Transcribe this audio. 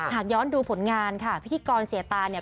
หากย้อนดูผลงานค่ะพิธีกรเสียตาเนี่ย